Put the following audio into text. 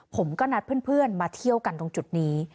ผมก็นัดเพื่อนมาเที่ยวกันตรงจุดนี้